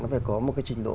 nó phải có một cái trình độ